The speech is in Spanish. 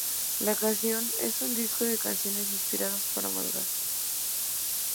La canción es un disco de canciones inspiradas para madurar.